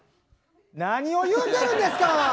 何を言うてるんですか！